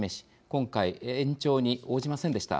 今回、延長に応じませんでした。